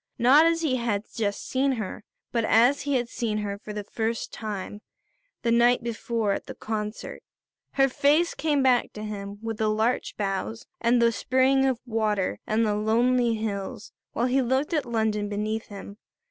Not as he had just seen her, but as he had seen her, for the first time, the night before at the concert. Her face came back to him with the larch boughs and the spring of water and the lonely hills, while he looked at London beneath him.